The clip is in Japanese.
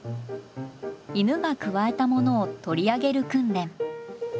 犬がくわえたものを取り上げる訓練。